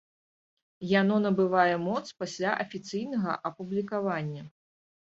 Яно набывае моц пасля афіцыйнага апублікавання.